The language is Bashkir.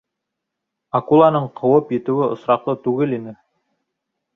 Акуланың ҡыуып етеүе осраҡлы түгел ине.